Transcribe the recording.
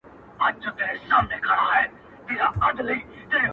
ژوند خو د ميني په څېر ډېره خوشالي نه لري!